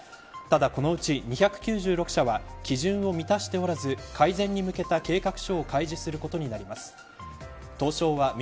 ただ、このうち２９６社は基準を満たしておらず改善に向けた計画書を開示することになります。